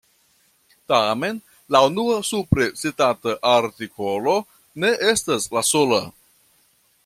Tamen la unua supre citata artikolo ne estas la sola.